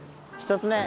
１つ目。